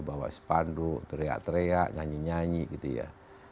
bawa sepanduk teriak teriak nyanyi nyanyi gitu ya